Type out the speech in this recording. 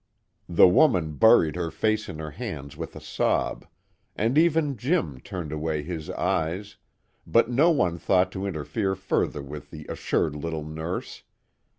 The woman buried her face in her hands with a sob, and even Jim turned away his eyes, but no one thought to interfere further with the assured little nurse.